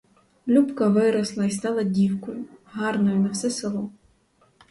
Любка виросла й стала дівкою, гарною на все село.